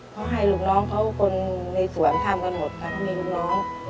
เขาให้ลูกน้องเขาคนในสวนทำกันหมดทั้งมีลูกน้อง